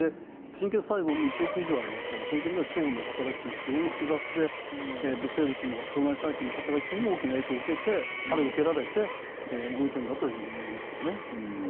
神経細胞も１億以上ありますからそういう点では腸の働きというのは非常に複雑で微生物の、腸内細菌の働きにも大きな影響を受けてあるいは受けられて動いているんだといえますよね。